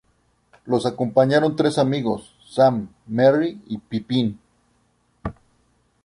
Lo acompañaron tres amigos: Sam, Merry y Pippin.